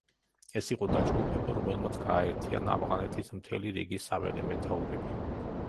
ეს იყო დაჯგუფება, რომელმაც გააერთიანა ავღანეთის მთელი რიგი საველე მეთაურები.